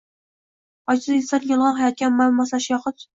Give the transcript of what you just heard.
ojiz insonning “yolg‘on hayotga” ommaviy moslashish yoxud